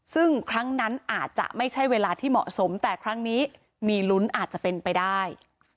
ซึ่งครั้งนั้นอาจจะไม่ใช่เวลาที่เหมาะสมแต่ครั้งนี้มีลุ้นอาจจะเป็นไปได้